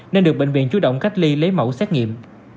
nên được bệnh viện chú động cách ly lấy mẫu xét nghiệm